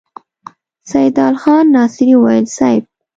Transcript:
سيدال خان ناصري وويل: صېب!